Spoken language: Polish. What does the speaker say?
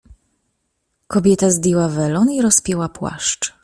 "Kobieta zdjęła welon i rozpięła płaszcz."